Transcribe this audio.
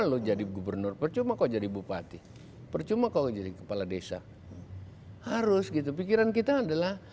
lo jadi gubernur percuma kau jadi bupati percuma kau jadi kepala desa harus gitu pikiran kita adalah